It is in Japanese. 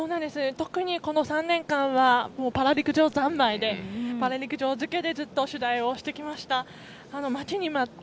特にこの３年間はパラ陸上三昧でパラ陸上漬けでずっと取材をしてきました。